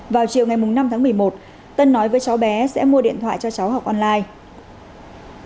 vào chiều ngày năm tháng một mươi một tân nói với cháu bé sẽ mua điện thoại cho cháu học online